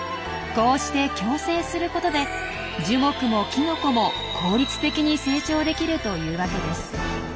こうして共生することで樹木もキノコも効率的に成長できるというわけです。